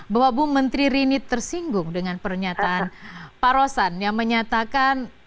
bahwa bu menteri rini tersinggung dengan pernyataan pak rosan yang menyatakan